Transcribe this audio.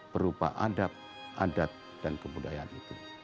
berupa adab adat dan kebudayaan itu